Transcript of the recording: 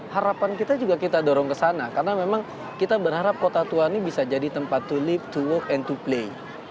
harapan kita juga kita dorong kesana karena memang kita berharap kota tuanya bisa jadi tempat to live to work and to play